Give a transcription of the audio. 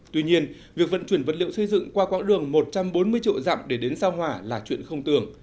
tuy nhiên việc vận chuyển vật liệu xây dựng qua quãng đường một trăm bốn mươi triệu dặm để đến sao hỏa là chuyện không tưởng